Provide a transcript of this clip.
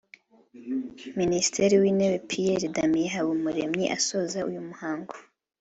Minitiri w’Intebe Pierre Damien Habumuremyi asoza uyu muhango